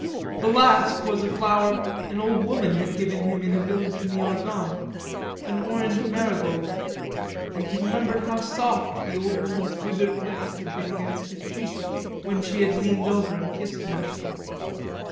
The last was a flower an old woman had given him in a village in the Argonne, an orange marigold, and he remembered how soft the old woman's withered lips had been against his cheek when she had leaned over and kissed him.